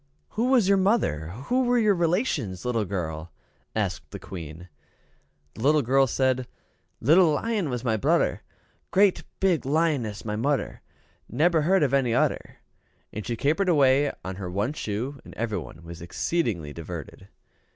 "Who was your mother who were your relations, little girl?" said the Queen. The little girl said, "Little lion was my brudder; great big lioness my mudder; neber heard of any udder." And she capered away on her one shoe, and everybody was exceedingly diverted.